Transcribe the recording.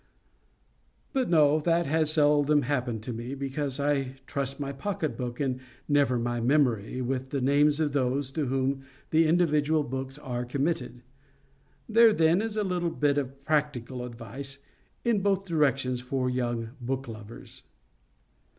But no; that has seldom happened to me—because I trust my pocketbook, and never my memory, with the names of those to whom the individual books are committed.—There, then, is a little bit of practical advice in both directions for young book lovers.